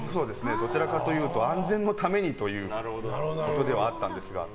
どちらかというと安全のためにということではあったんですが。